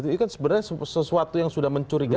itu kan sebenarnya sesuatu yang sudah mencurigakan